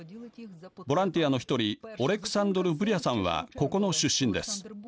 ボランティアの１人オレクサンドル・ブリャさんはここの出身です。